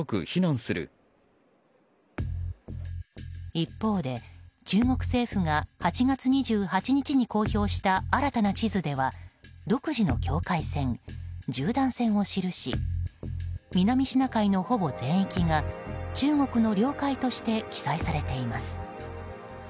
一方で、中国政府が８月２８日に公表した新たな地図では独自の境界線、十段線を記し南シナ海のほぼ全域が中国の領海として記載されています。